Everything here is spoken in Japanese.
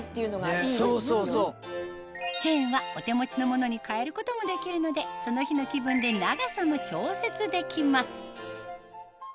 チェーンはお手持ちのものに替えることもできるのでその日の気分で長さも調節できます